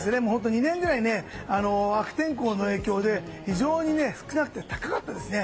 ２年ぐらい悪天候の影響で非常に少なくて高かったですね。